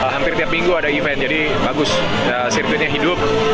hampir tiap minggu ada event jadi bagus sirkuitnya hidup